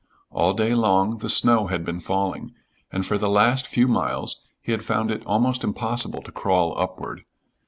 All day long the snow had been falling, and for the last few miles he had found it almost impossible to crawl upward.